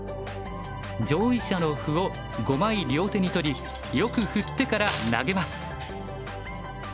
上位者の歩を５枚両手に取りよく振ってから投げます。